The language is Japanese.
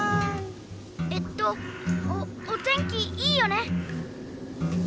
えっとおおてんきいいよね！